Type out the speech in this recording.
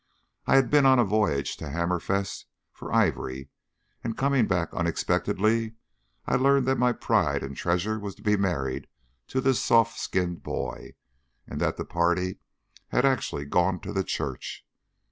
I had been on a voyage to Hammerfest for ivory, and coming back unexpectedly I learned that my pride and treasure was to be married to this soft skinned boy, and that the party had actually gone to the church.